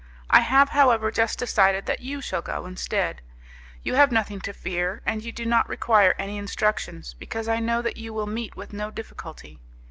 I have, however, just decided that you shall go instead. You have nothing to fear and you do not require any instructions, because I know that you will meet with no difficulty.